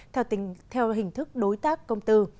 theo hình thức đối tác công tư